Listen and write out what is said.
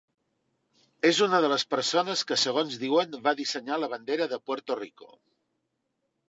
És una de les persones que, segons diuen, va dissenyar la bandera de Puerto Rico.